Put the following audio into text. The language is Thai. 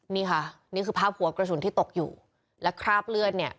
นี่ค่ะนี่คือภาพหัวกระสุนที่ตกอยู่และคราบเลือดเนี่ย